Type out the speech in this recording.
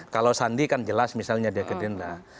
kalau sandi kan jelas misalnya dia gede